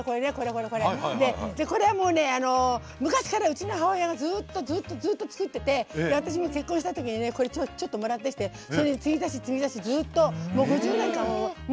これは、もう昔からうちの母親がずっとずーっと作ってて私も結婚したときにこれ、ちょっともらってきて継ぎ足し、継ぎ足しずっと、５０年間。